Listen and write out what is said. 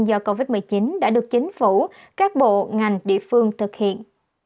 do covid một mươi chín đã được chính phủ các bộ ngành địa phương thực hiện